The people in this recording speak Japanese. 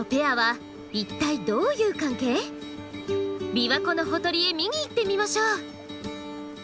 琵琶湖のほとりへ見に行ってみましょう。